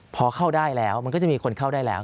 พอเข้าได้แล้วมันก็จะมีคนเข้าได้แล้ว